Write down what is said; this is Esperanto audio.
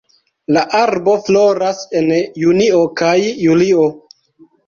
La arbo floras en junio kaj julio.